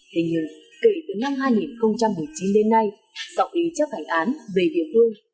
thế nhưng kể từ năm hai nghìn một mươi chín đến nay sau khi chấp hành án về địa phương